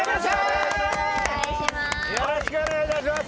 よろしくお願いします。